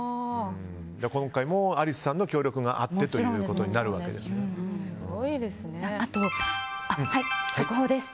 今回もアリスさんの協力があってということにはい、速報です。